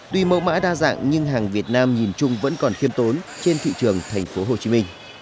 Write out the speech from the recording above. tuy màu mã đa dạng nhưng hàng việt nam nhìn chung vẫn còn thiêm tốn trên thị trường tp hcm